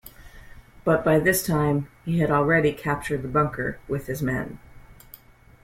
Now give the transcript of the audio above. But by this time he had already captured the bunker with his men.